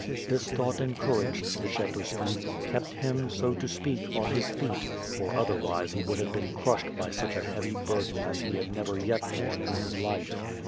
This thought encouraged Skshetu ski, kept him, so to speak, on his feet; for othenvise he would have been crushed by such a heavy burden as he had never yet borne in his life.